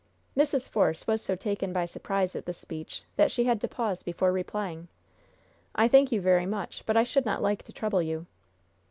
Mrs. Force was so taken by surprise at this speech that she had to pause before replying: "I thank you very much, but I should not like to trouble you."